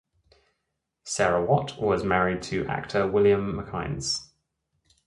Sarah Watt was married to actor William McInnes.